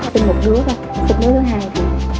xin một đứa hai